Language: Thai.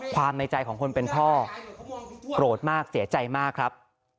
ในใจของคนเป็นพ่อโกรธมากเสียใจมากครับ